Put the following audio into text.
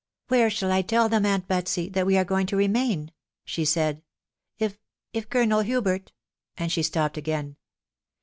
ee Where shall I tell them, aunt Betsy, that we axe going to remain ?" she said ...." If .... if Colonel Hubert ".... and she stopt again.